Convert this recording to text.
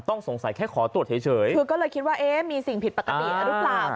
ต้องสงสัยแค่ขอตรวจเฉยคือก็เลยคิดว่าเอ๊ะมีสิ่งผิดปกติหรือเปล่า